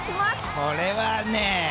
これはね